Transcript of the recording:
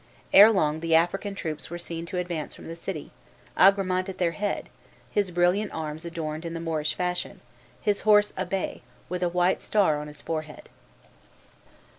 Erelong the African troops were seen to advance from the city, Agramant at their head; his brilliant arms adorned in the Moorish fashion, his horse a bay, with a white star on his forehead.